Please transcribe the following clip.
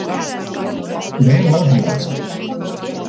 მე ვარ ვიღაცა